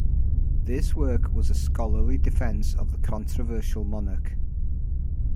This work was a scholarly defence of the controversial monarch.